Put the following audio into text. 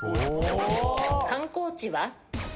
観光地は？